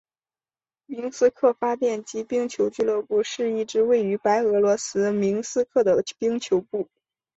明斯克发电机冰球俱乐部是一支位于白俄罗斯明斯克的冰球队。